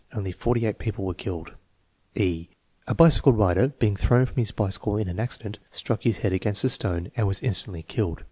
Only forty eight people were killed" (e) "A bicycle rider, being thrown from his bicycle in an accident, struck his head against a stone and was instantly killed.